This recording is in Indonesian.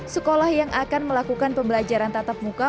sekolah yang akan melakukan pembelajaran tatap muka